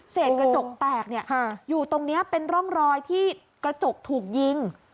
เสร็จกระจกแตกอยู่ตรงนี้เป็นร่องรอยที่กระจกถูกยิง